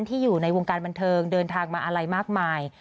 ที่อยู่ในวงการบันเทิงเดินทางมาอะไรมากมาย